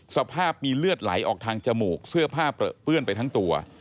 สภาพมีเลือดไหลออกทางจมูกเสื้อผ้าเปลือเปื้อนไปทั้งตัว